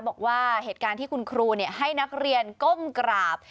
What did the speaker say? บอกว่าเหตุการณ์ที่คุณครูให้นักเรียนก้มกราบ